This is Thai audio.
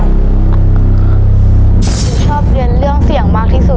ชอบเรียนเรื่องเสี่ยงมากที่สุด